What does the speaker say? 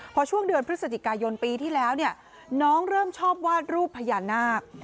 พอช่วงเดือนพฤศจิกายนปีที่แล้วเนี่ยน้องเริ่มชอบวาดรูปพญานาค